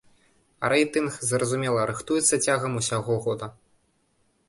А рэйтынг, зразумела, рыхтуецца цягам усяго года.